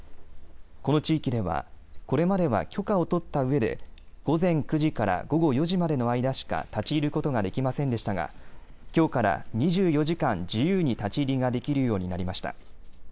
この地域ではこれまでは許可を取ったうえで午前９時から午後４時までの間しか立ち入ることができませんでしたが、きょうから２４時間、自由に立ち入りができるようになりました。